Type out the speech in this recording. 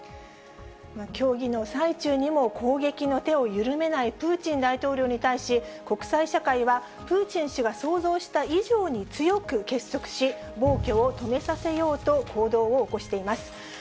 協議の最中にも攻撃の手を緩めないプーチン大統領に対し、国際社会は、プーチン氏が想像した以上に強く結束し、暴挙を止めさせようと行動を起こしています。